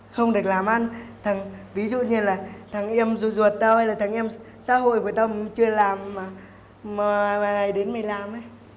không được làm ăn thằng ví dụ như là thằng em ruột ruột tao hay là thằng em xã hội của tao chưa làm mà đến mày làm